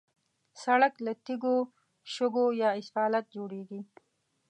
سړک له تیږو، شګو یا اسفالت جوړېږي.